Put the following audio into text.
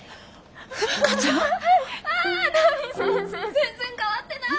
全然変わってない！